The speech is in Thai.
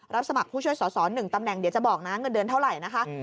สมัครผู้ช่วยสอสอ๑ตำแหน่งเดี๋ยวจะบอกนะเงินเดือนเท่าไหร่นะคะ